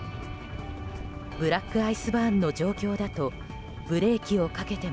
ブラックアイスバーンの状況だとブレーキをかけても。